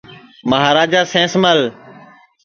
مہاراجا سینس مل